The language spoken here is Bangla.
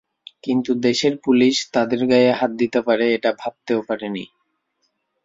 কিন্তু দেশের পুলিশ তাদের গায়ে হাত দিতে পারে এটা ভাবতেও পারিনি।